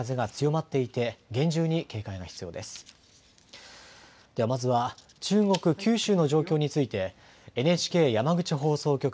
まずは中国、九州の状況についてＮＨＫ山口放送局